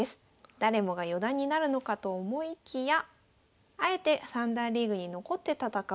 誰もが四段になるのかと思いきやあえて三段リーグに残って戦う。